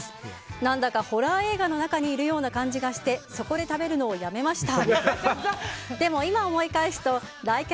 何だかホラー映画の中にいるような感じがしてそこで食べるのをやめました。